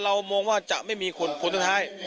มองว่าจะไม่มีคนคนสุดท้าย